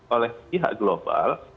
oleh pihak global